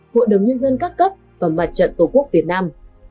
hội đồng nhân dân các cấp và mặt trận tổ quốc việt nam